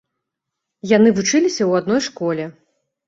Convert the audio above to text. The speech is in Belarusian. Яны вучыліся ў адной школе.